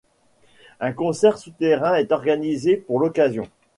Un concert souterrain est organisé pour l'occasion.